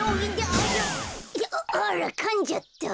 ああらかんじゃった。